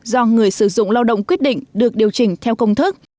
do người sử dụng lao động quyết định được điều chỉnh theo công thức